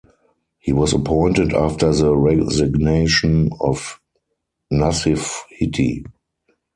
He was appointed after the resignation of Nassif Hitti.